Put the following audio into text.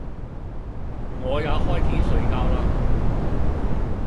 我也開始睡覺啦！